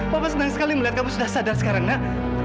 papa senang sekali melihat kamu sudah sadar sekarang nak